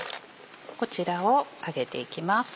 こちらを揚げていきます。